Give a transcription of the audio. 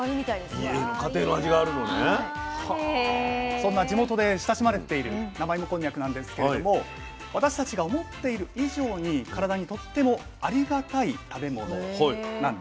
そんな地元で親しまれている生芋こんにゃくなんですけれども私たちが思っている以上に体にとってもありがたい食べ物なんです。